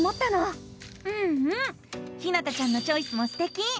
うんうんひなたちゃんのチョイスもすてき！